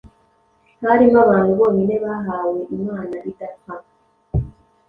harimo abantu bonyine bahawe imana idapfa